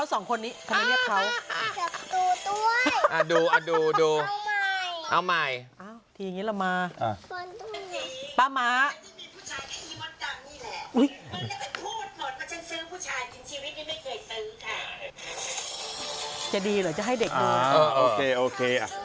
บอกมันไม่ตะแค้งอ่ะอ่ะมาแล้ววินาทีช็อคโลก